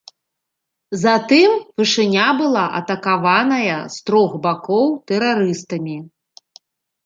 Затым вышыня была атакаваная з трох бакоў тэрарыстамі.